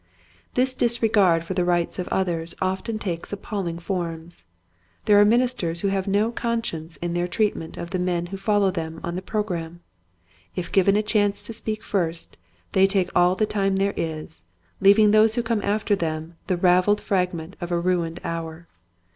This disregard of the rights of others often takes appalling forms. There are ministers who have no conscience in their treatment of the men who follow them on a program. If given the chance to speak first they take all the time there is, leaving those who come after them the raveled fragment of a ruined hour.